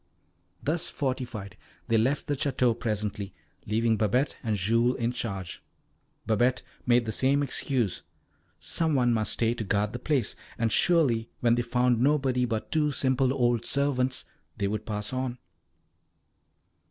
Thus fortified, they left the Château presently, leaving Babette and Jules in charge. Babette made the same excuse some one must stay to guard the place, and surely when they found nobody but two simple old servants they would pass on.